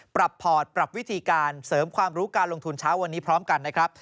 พอร์ตปรับวิธีการเสริมความรู้การลงทุนเช้าวันนี้พร้อมกันนะครับ